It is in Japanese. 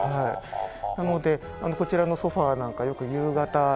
なのでこちらのソファなんかよく夕方皆さん。